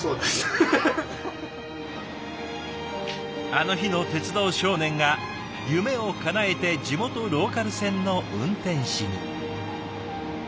あの日の鉄道少年が夢をかなえて地元ローカル線の運転士に。